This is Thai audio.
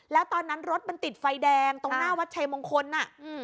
แล้วตอนนั้นรถมันติดไฟแดงตรงหน้าวัดชัยมงคล